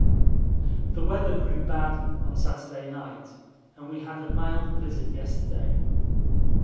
The weather grew bad on Saturday night and we had a mild blizzard yesterday.